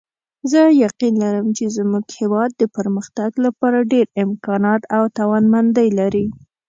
زه یقین لرم چې زموږ هیواد د پرمختګ لپاره ډېر امکانات او توانمندۍ لري